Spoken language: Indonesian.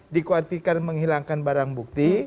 dikhawatirkan menghilangkan barang bukti